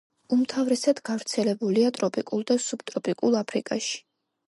უმთავრესად გავრცელებულია ტროპიკულ და სუბტროპიკულ აფრიკაში.